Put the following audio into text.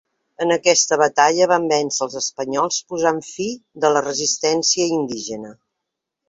En aquesta batalla van vèncer els espanyols posant fi de la resistència indígena.